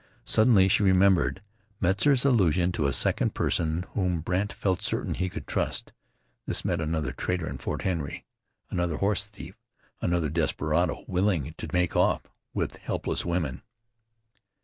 Suddenly she remembered Metzar's allusion to a second person whom Brandt felt certain he could trust. This meant another traitor in Fort Henry, another horse thief, another desperado willing to make off with helpless women.